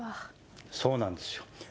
そうなんですよ。